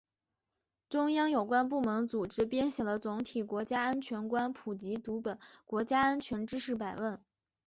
中央有关部门组织编写了总体国家安全观普及读本——《国家安全知识百问》